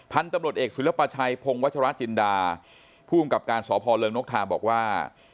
พันธุ์ตำรวจเอกศุฤปชัยพงศ์วัชราชจินดาผู้อุ้มกับการสอบภอล์เริงนกทาบอกว่า